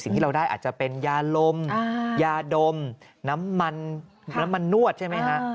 สิ่งที่เราได้อาจจะเป็นยาลมยาดมน้ำมันน้ำมันนวดใช่ไหมฮะ